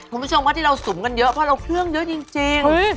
คุณผู้ชมว่าที่เราสุมกันเยอะเพราะเราเครื่องเยอะจริง